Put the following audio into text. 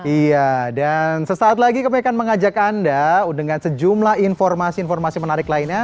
iya dan sesaat lagi kami akan mengajak anda dengan sejumlah informasi informasi menarik lainnya